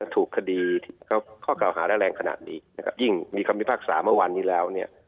ถูกคดีข้อเก่าหาได้แรงขนาดนี้นะครับยิ่งมีคำพิพากษาเมื่อวานนี้แล้วเนี่ย